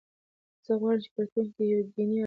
زه غواړم چې په راتلونکي کې یو دیني عالم شم.